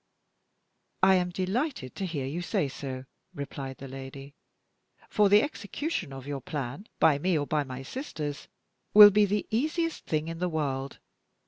"I am delighted to hear you say so," replied the lady; "for the execution of your plan, by me or by my sisters, will be the easiest thing in the world.